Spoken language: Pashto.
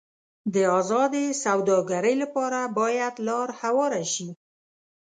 د ازادې سوداګرۍ لپاره باید لار هواره شي.